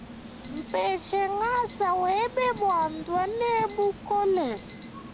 Mpeshe ngasa webe bwa ndwe ne bukole.